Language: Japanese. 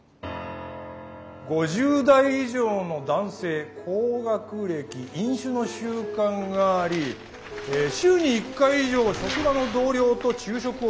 ５０代以上の男性高学歴飲酒の習慣があり週に１回以上職場の同僚と昼食を共にとること。